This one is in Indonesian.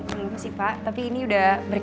mereka sih pak tapi ini berkasnya udah siap semua